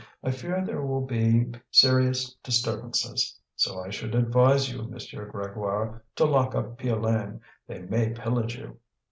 "I fear there will be serious disturbances. So I should advise you, Monsieur Grégoire, to lock up Piolaine. They may pillage you."